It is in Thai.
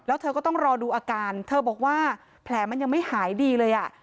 แล้วเธอก็ต้องรอดูอาการเธอบอกว่าแผลมันยังไม่หายดีเลยอ่ะ